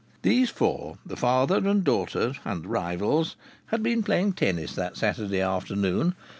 These four the father and daughter and the rivals had been playing tennis that Saturday afternoon.